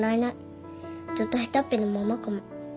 ずっと下手っぴのままかも。